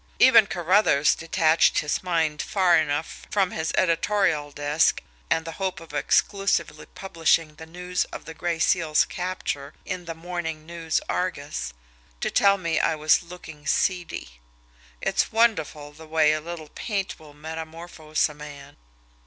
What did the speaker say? Even Carruthers detached his mind far enough from his editorial desk and the hope of exclusively publishing the news of the Gray Seal's capture in the MORNING NEWS ARGUS, to tell me I was looking seedy. It's wonderful the way a little paint will metamorphose a man!